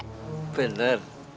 tapi kerjaannya nyakitin orang mulu kakek